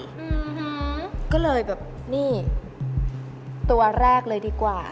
อืมฮะก็เลยแบบนี่ตัวแรกเลยดีกว่า